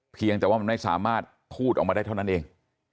เพียงแต่ว่ามันไม่สามารถพูดออกมาได้เท่านั้นเอง